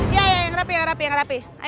iya iya yang rapi yang rapi yang rapi